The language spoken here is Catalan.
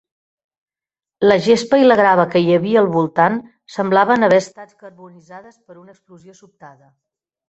La gespa i la grava que hi havia al voltant semblaven haver estat carbonitzades per una explosió sobtada.